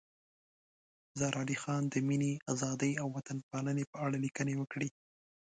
زار علي خان د مینې، ازادۍ او وطن پالنې په اړه لیکنې وکړې.